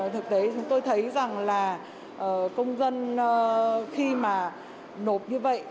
thực tế chúng tôi thấy rằng là công dân khi mà nộp như vậy